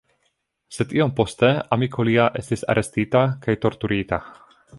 Sed iom poste amiko lia estis arestita kaj torturita.